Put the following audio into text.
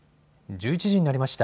１１時になりました。